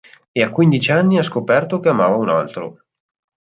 E a quindici anni ha scoperto che amava un altro.